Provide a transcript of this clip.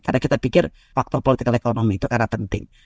karena kita pikir faktor politikal ekonomi itu adalah penting